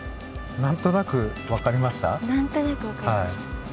なんとなくわかりました！